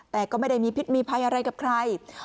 แต่ก็ไม่ได้มีพิษมีภัยอะไรกับใคร